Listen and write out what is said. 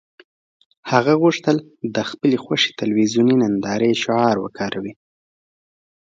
هغه غوښتل د خپلې خوښې تلویزیوني نندارې شعار وکاروي